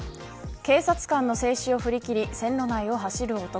警察官の制止を振り切り線路内を走る男。